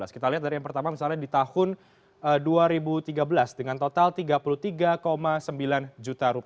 kita lihat dari yang pertama misalnya di tahun dua ribu tiga belas dengan total rp tiga puluh tiga sembilan juta